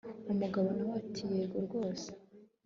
umugabo nawe ati yego rwose